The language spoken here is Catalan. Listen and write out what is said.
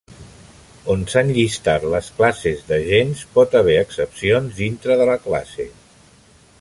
On s'han llistat les classes d'agents, pot haver excepcions dintre de la classe.